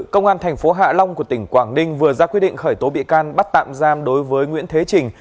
công an thành phố hạ long của tỉnh quảng ninh vừa ra quyết định khởi tố bị can bắt tạm giam đối với nguyễn thế trình